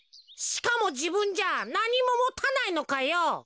しかもじぶんじゃなにももたないのかよ。